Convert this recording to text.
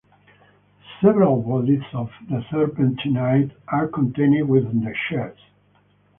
Several bodies of serpentinite are contained within the schist.